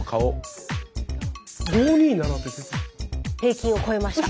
平均を超えました。